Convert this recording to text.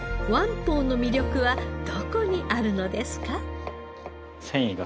宝の魅力はどこにあるのですか？